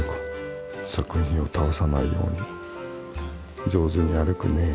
作品を倒さないように上手に歩くねえ。